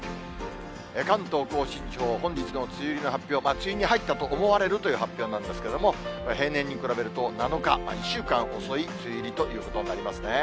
関東甲信地方、本日の梅雨入りの発表、梅雨に入ったと思われるという発表なんですけれども、平年に比べると７日、１週間遅い梅雨入りということになりますね。